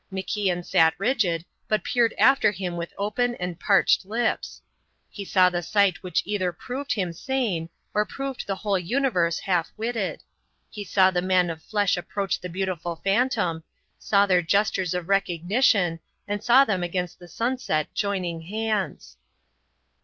MacIan sat rigid, but peered after him with open and parched lips. He saw the sight which either proved him sane or proved the whole universe half witted; he saw the man of flesh approach that beautiful phantom, saw their gestures of recognition, and saw them against the sunset joining hands.